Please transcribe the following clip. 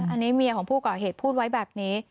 อันนี้เมียของผู้ก่อเหตุพูดไว้แบบนี้